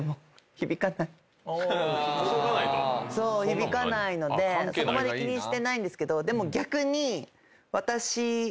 響かないのでそこまで気にしてないんですけどでも逆に私が。